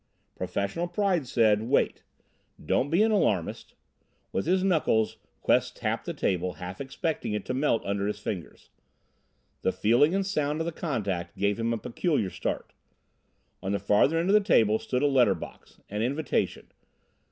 Professional pride said: wait, don't be an alarmist! With his knuckles Quest tapped the table, half expecting it to melt under his fingers. The feeling and sound of the contact gave him a peculiar start. On the farther end of the table stood a letter box an invitation.